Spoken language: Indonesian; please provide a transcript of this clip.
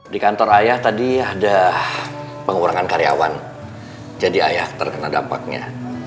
di kantor ayah tadi ada pengurangan karyawan jadi ayah terkena dampaknya